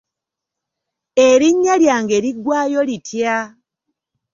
Erinnya lyange liggwayo litya?